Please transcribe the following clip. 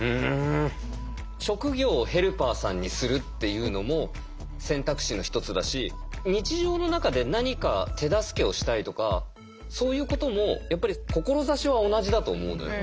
職業をヘルパーさんにするっていうのも選択肢の１つだし日常の中で何か手助けをしたいとかそういうこともやっぱり志は同じだと思うのよ。